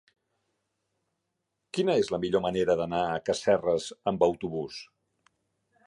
Quina és la millor manera d'anar a Casserres amb autobús?